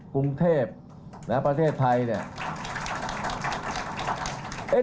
กรุงเทพนะประเทศไทยเนี่ย